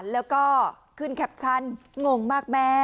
แล้วก็ขึ้นแคปชั่นงงมากแม่